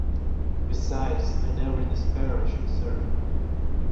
Besides, I never disparage, sir.